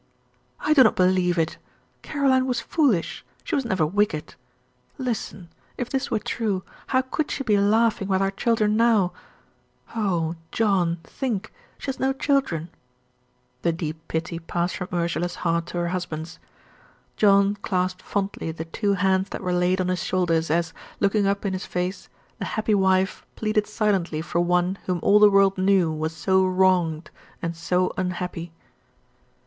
"I do not believe it. Caroline was foolish, she was never wicked. Listen! If this were true, how could she be laughing with our children now? Oh! John think she has no children." The deep pity passed from Ursula's heart to her husband's. John clasped fondly the two hands that were laid on his shoulders, as, looking up in his face, the happy wife pleaded silently for one whom all the world knew was so wronged and so unhappy.